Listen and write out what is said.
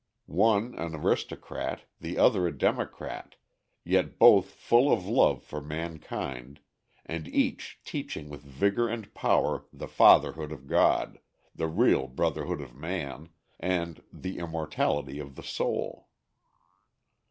One an aristocrat, the other a democrat, yet both full of love for mankind, and each teaching with vigor and power the Fatherhood of God, the real brotherhood of man, and the immortality of the soul.